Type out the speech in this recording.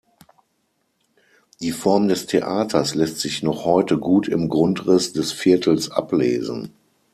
Die Form des Theaters lässt sich noch heute gut im Grundriss des Viertels ablesen.